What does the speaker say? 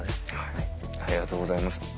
ありがとうございます。